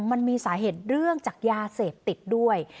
มันมีสาเหตุเรื่องจากยาเสพติดด้วย